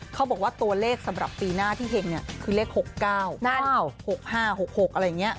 เขาบอกว่าตัวเลขสำหรับปีหน้าที่เห็งเนี่ยคือเลข๖๙๙๖๕๖๖อะไรอย่างนี้